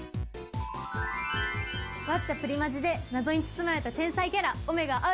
『ワッチャプリマジ！』でナゾに包まれた天才キャラ御芽河